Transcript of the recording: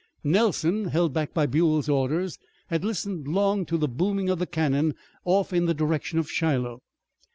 Nelson, held back by Buell's orders, had listened long to the booming of the cannon off in the direction of Shiloh.